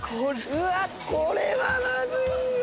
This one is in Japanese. うわこれはまずいよ